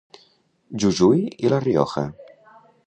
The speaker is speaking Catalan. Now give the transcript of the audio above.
Jujuy i La Rioja.